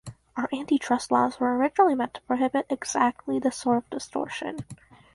Our antitrust laws were originally meant to prohibit exactly this sort of distortion.